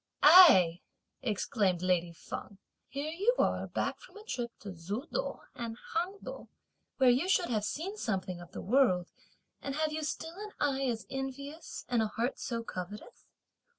"Ai!" exclaimed lady Feng, "here you are back from a trip to Suchow and Hang Chow, where you should have seen something of the world! and have you still an eye as envious and a heart so covetous?